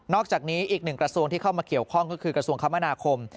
อกจากนี้อีกหนึ่งกระทรวงที่เข้ามาเกี่ยวข้องก็คือกระทรวงคมนาคม